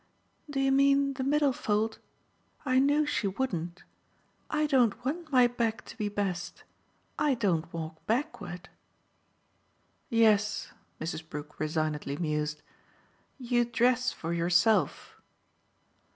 "Do you mean the middle fold? I knew she wouldn't. I don't want my back to be best I don't walk backward." "Yes," Mrs. Brook resignedly mused; "you dress for yourself."